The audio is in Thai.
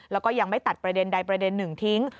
แล้วก็ยังไม่ตัดประเด็นใดประเด็นหนึ่งทิ้ง